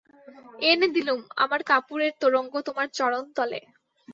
এনে দিলুম আমার কাপড়ের তোরঙ্গ তোমার চরণতলে।